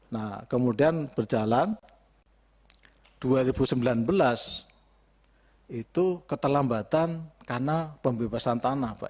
nah kemudian berjalan dua ribu sembilan belas itu keterlambatan karena pembebasan tanah pak